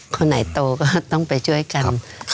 คนไหนโตก็ต้องไปช่วยกัน